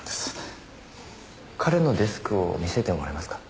彼のデスクを見せてもらえますか？